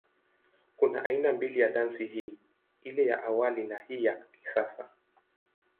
Kuna aina mbili ya dansi hii, ile ya awali na ya hii ya kisasa.